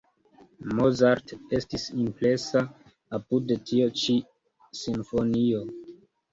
Mozart estis impresa apud tio ĉi simfonio.